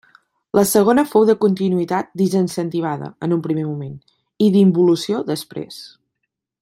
La segona fou de continuïtat desincentivada, en un primer moment, i d'involució després.